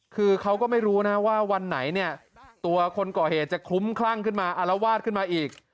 คือเขาก็ไม่รู้นะว่าวันไหนเนี่ยตัวคนก่อเหตุจะคลุ้มคลั่งขึ้นมาอารวาสขึ้นมาอีก